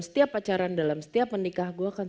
setiap acaran dalam setiap menikah gue akan